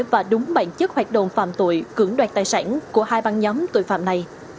và đúng bản chất hoạt động phạm tội cưỡng đoạt tài sản của hai băng nhóm tội phạm này